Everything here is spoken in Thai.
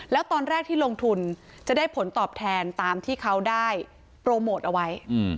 แล้วตอนแรกที่ลงทุนจะได้ผลตอบแทนตามที่เขาได้โปรโมทเอาไว้